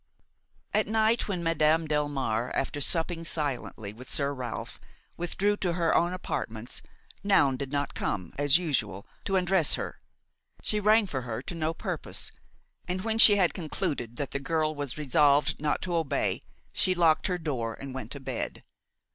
At night, when Madame Delmare, after supping silently with Sir Ralph, withdrew to her own apartments, Noun did not come, as usual, to undress her; she rang for her to no purpose, and when she had concluded that the girl was resolved not to obey, she locked her door and went to bed.